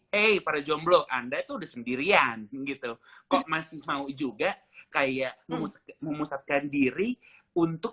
hei para jomblo anda tuh udah sendirian gitu kok masih mau juga kayak memusat memusatkan diri untuk